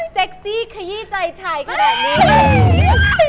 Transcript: เซ็กซี่ขยี้ใจชัยแค่แบบนี้